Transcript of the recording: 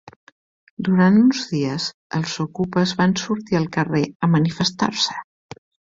Durant uns dies, els okupes van sortir al carrer a manifestar-se.